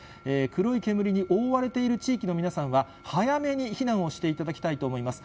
黒い煙に覆われている地域の皆さんは、早めに避難をしていただきたいと思います。